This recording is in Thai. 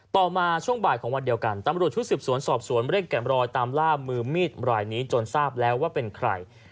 ต่อมาช่วงบ่ายของวันเดียวกันตำรวจชุดสืบสวนสอบสวนเร่งแก่มรอยตามล่ามือมีดรายนี้จนทราบแล้วว่าเป็นใคร